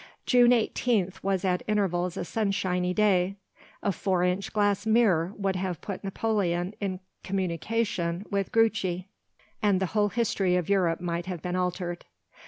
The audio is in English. June 18th was at intervals a sunshiny day—a four inch glass mirror would have put Napoleon in communication with Gruchy, and the whole history of Europe might have been altered.